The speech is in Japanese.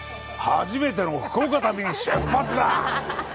初めての福岡旅に出発だ！